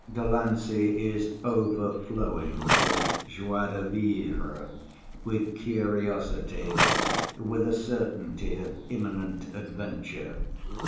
Delancey is overflowing with joie de vivre, with curiosity, with a certainty of imminent adventure.